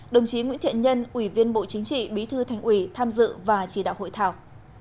đồng chí nguyễn thiện nhân ủy viên bộ chính trị bí thư thành ủy tham dự và chỉ đạo hội thảo